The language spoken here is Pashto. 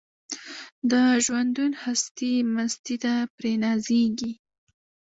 د ژوندون هستي مستي ده پرې نازیږي